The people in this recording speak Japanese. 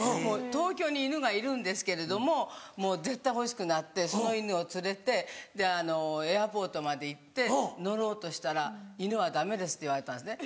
東京に犬がいるんですけれどももう絶対欲しくなってその犬を連れてエアポートまで行って乗ろうとしたら犬はダメですって言われたんですね。